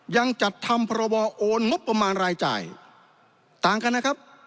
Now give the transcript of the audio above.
ยังจัดทำพรบโอนงบประมาณรายจ่ายต่างกันนะครับ